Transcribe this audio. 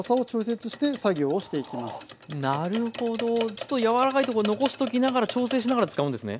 ちょっと柔らかいところ残しときながら調整しながら使うんですね。